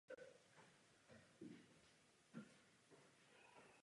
Ve dvoře jsou dochovány zbytky městských hradeb.